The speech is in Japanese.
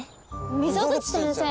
溝口先生。